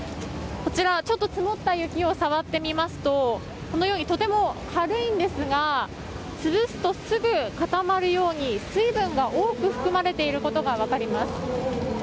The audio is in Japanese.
こちら、ちょっと積もった雪を触ってみますととても軽いんですが潰すとすぐに固まるように水分が多く含まれていることが分かります。